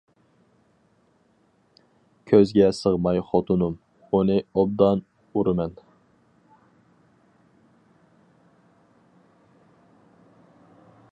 كۆزگە سىغماي خوتۇنۇم، ئۇنى ئوبدان ئۇرىمەن.